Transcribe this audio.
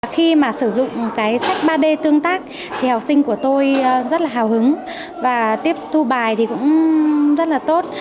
khi mà sử dụng cái sách ba d tương tác thì học sinh của tôi rất là hào hứng và tiếp thu bài thì cũng rất là tốt